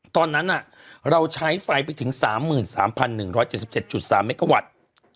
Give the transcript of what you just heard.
ตอนนั้นเราใช้ไฟไปถึง๓๓๑๗๗๓เมกาวัตต์